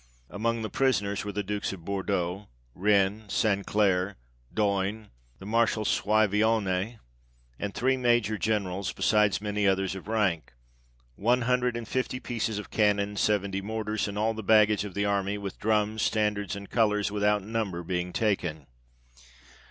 Among the prisoners were the Dukes of Bourdeaux, Rennes, St. Clair, D'Oyonne ; the Marshal Swyvione, and three Major Generals, besides many others of rank. One hundred and fifty pieces of cannon ; seventy mortars, and all the baggage of the army, with drums, standards, and colours without number were taken.